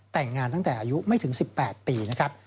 แต่งงานตั้งแต่อายุไม่ถึง๑๘ปีนะครับ